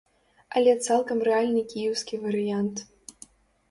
Але цалкам рэальны кіеўскі варыянт.